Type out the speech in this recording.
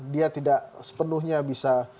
dia tidak sepenuhnya bisa